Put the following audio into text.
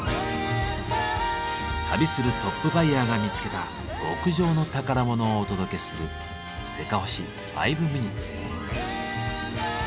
旅するトップバイヤーが見つけた極上の宝物をお届けする「せかほし５ｍｉｎ．」。